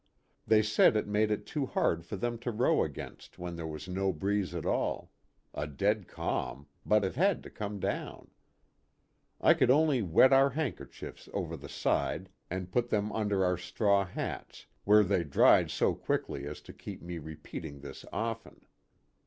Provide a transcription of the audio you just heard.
They said it made it too hard for them to row against when there was no breeze at all a dead calm ; but it had to come down. I could only wet our handkerchiefs over the side and put them un 62 A PICNIC NEAR THE EQUATOR. der our straw hats, where they dried so quickly as to keep me repeating this often.